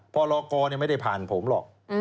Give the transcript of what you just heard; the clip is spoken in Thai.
พอลอกรเนี่ยไม่ได้ผ่านผมหรอก